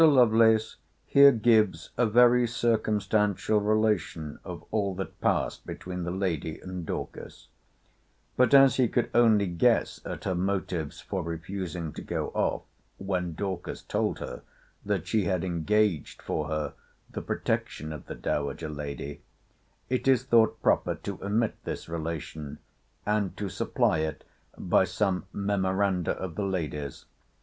[Mr. Lovelace here gives a very circumstantial relation of all that passed between the Lady and Dorcas. But as he could only guess at her motives for refusing to go off, when Dorcas told her that she had engaged for her the protection of the dowager lady, it is thought proper to omit this relation, and to supply it by some memoranda of the Lady's.